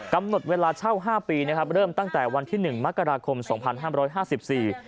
กำหนดเวลาเช่าห้าปีนะครับเริ่มตั้งแต่วันที่หนึ่งมกราคมสองพันห้ามร้อยห้าสิบสี่